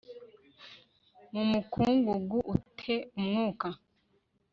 mu mukungugu u te umwuka